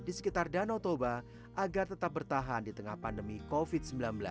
di sekitar danau toba agar tetap bertahan di tengah pandemi covid sembilan belas